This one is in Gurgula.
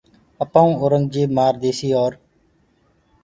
آپآئونٚ اورنٚگجيب مآرديسيٚ اور